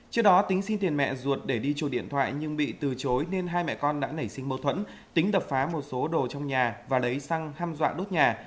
trước đó tính xin tiền mẹ ruột để đi chùa điện thoại nhưng bị từ chối nên hai mẹ con đã nảy sinh mâu thuẫn tính đập phá một số đồ trong nhà và lấy xăng ham dọa đốt nhà